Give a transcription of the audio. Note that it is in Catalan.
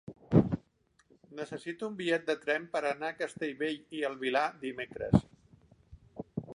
Necessito un bitllet de tren per anar a Castellbell i el Vilar dimecres.